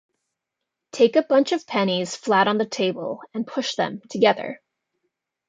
Take a bunch of pennies flat on the table and push them together.